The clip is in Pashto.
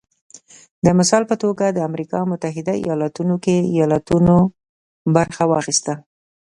د مثال په توګه د امریکا متحده ایالتونو کې ایالتونو برخه واخیسته